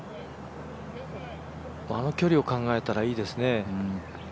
あの距離を考えたらいいですね。